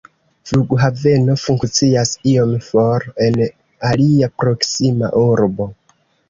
Flughaveno funkcias iom for en alia proksima urbo.